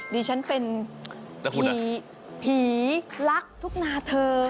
ดิฉันเป็นผีรักทุกนาเธอ